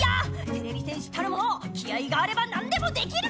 てれび戦士たるもの気合いがあればなんでもできるメラ！